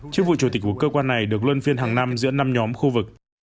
chức vụ chủ tịch của cơ quan này được luân phiên hàng năm giữa năm nhóm khu vực